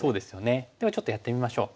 ではちょっとやってみましょう。